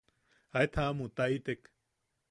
Aet jaamutaitek.